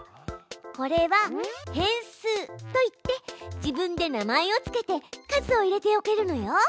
これは「変数」といって自分で名前を付けて数を入れておけるのよ。